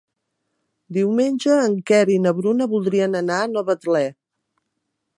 Diumenge en Quer i na Bruna voldrien anar a Novetlè.